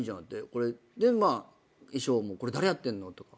衣装もこれ誰やってんの？とか。